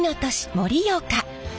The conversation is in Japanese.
盛岡。